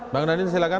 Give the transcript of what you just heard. bang daniel silahkan